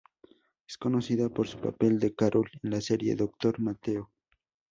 Es conocida por su papel de Carol en la serie "Doctor Mateo".